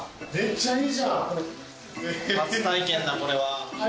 初体験だこれは。